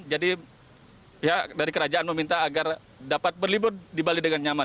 jadi pihak dari kerajaan meminta agar dapat berlibur di bali dengan nyaman